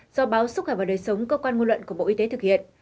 do báo sức khỏe và đời sống cơ quan ngôn luận của bộ y tế thực hiện